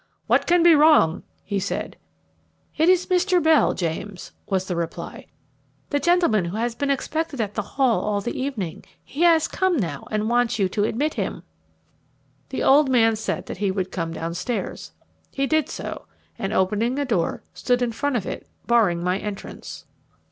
"What can be wrong?" he said. "It is Mr. Bell, James," was the reply, "the gentleman who has been expected at the Hall all the evening; he has come now, and wants you to admit him." The old man said that he would come downstairs. He did so, and opening a door, stood in front of it, barring my entrance.